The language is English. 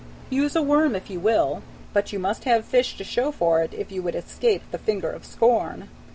Use a worm if you will, but you must have fish to show for it, if you would escape the finger of scorn.